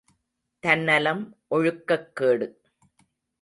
தன்னலம் ஒழுக்கக் கேடு.